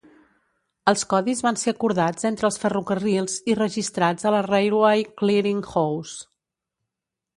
Els codis van ser acordats entre els ferrocarrils i registrats a la Railway Clearing House.